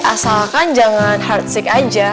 asalkan jangan heartsick aja